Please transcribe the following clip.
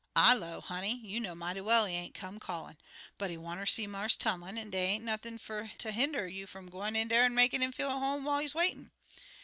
I low, 'Honey, you know mighty well he ain't come callin'. But he wanter see Marse Tumlin, an' dey ain't nothin' fer ter hender you fum gwine in dar an' makin' 'im feel at home whiles he waitin'.'